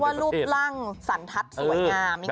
เขาเรียกว่าลูกร่างสันทัศน์สวยงาม